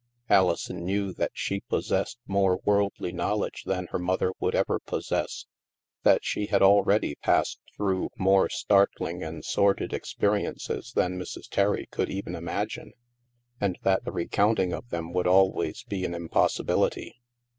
Alison knew that she possessed more worldly knowledge than her mother would ever possess, that she had already passed through more startling and sordid experiences than Mrs. Terry could even imagine, and that the recounting of them would always be an impossibility.